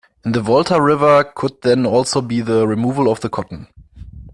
In the Volta River could then also be the removal of the cotton.